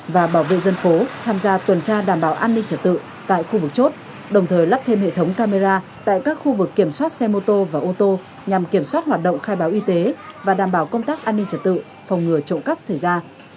và bảo vệ dân phố tham gia tuần tra đảm bảo an ninh trật tự tại khu vực chốt đồng thời lắp thêm hệ thống camera tại các khu vực kiểm soát xe mô tô và ô tô nhằm kiểm soát hoạt động khai báo y tế và đảm bảo công tác an ninh trật tự phòng ngừa trộm cắp xảy ra